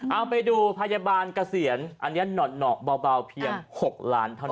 เอาไปดูพยาบาลเกษียณอันนี้หน่อเบาเพียง๖ล้านเท่านั้น